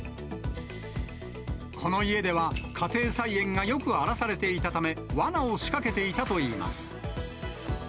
この家では、家庭菜園がよく荒らされていたため、わなを仕掛けていたといいます。